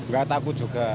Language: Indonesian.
enggak takut juga